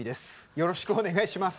よろしくお願いします！